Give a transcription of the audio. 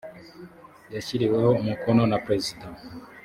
yashyiriweho umukono na perezida